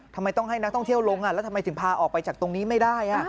ทำไมต้องให้นักท่องเที่ยวลงแล้วทำไมถึงพาออกไปจากตรงนี้ไม่ได้